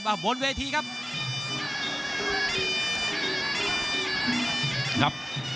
บนเวทีครับ